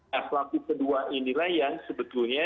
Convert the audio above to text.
nah pelaku kedua inilah yang sebetulnya